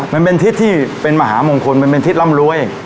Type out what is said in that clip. มันเป็นทิศที่เป็นมหามงคลมันเป็นทิศร่ำรวย